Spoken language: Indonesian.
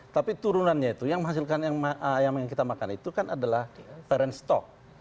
tapi turunannya itu yang menghasilkan ayam yang kita makan itu kan adalah parent stock